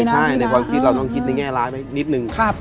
ใช่ในความคิดเราต้องคิดในแง่ร้ายไปนิดนึง